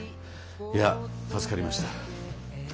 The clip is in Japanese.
いや助かりました。